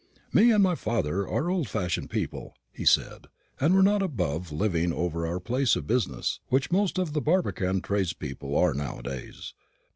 "Me and father are old fashioned people," he said; "and we're not above living over our place of business, which most of the Barbican tradespeople are nowadays.